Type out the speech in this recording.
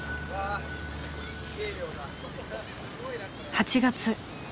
８月。